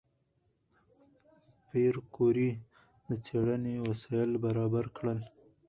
پېیر کوري د څېړنې وسایل برابر کړل.